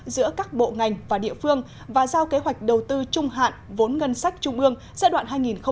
giữa các bộ ngành và địa phương và giao kế hoạch đầu tư trung hạn vốn ngân sách trung ương giai đoạn hai nghìn một mươi sáu hai nghìn hai mươi